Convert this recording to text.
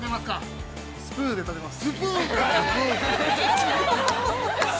◆スプーン、食べます。